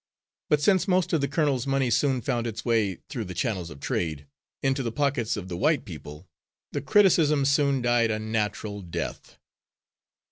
But since most of the colonel's money soon found its way, through the channels of trade, into the pockets of the white people, the criticism soon died a natural death.